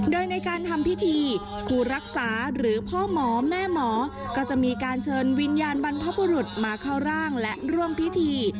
โดยในการทำพิธีครูรักษาหรือพ่อหมอแม่หมอก็จะมีการเชิญวิญญาณบรรพบุรุษมาเข้าร่างและร่วมพิธี